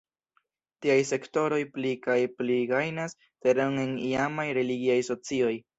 Tiaj sektoroj pli kaj pli gajnas terenon en iamaj religiaj socioj.